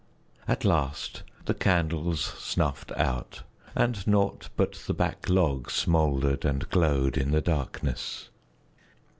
At last the candles snuffed out, and naught but the back log smoldered and glowed in the darkness.